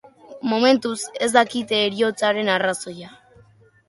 Momentuz, ez dakite heriotzaren arrazoia.